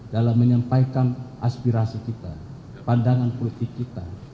dalam menyampaikan aspirasi kita pandangan politik kita